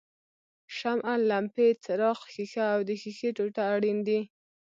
شمع، لمپې څراغ ښيښه او د ښیښې ټوټه اړین دي.